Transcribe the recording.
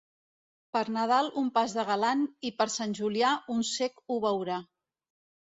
Per Nadal un pas de galant i per San Julià un cec ho veurà.